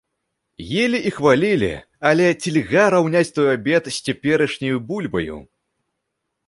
Елі і хвалілі, але ці льга раўняць той абед з цяперашняю бульбаю?